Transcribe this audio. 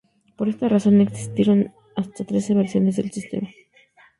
Por esta razón, existieron hasta trece versiones del sistema.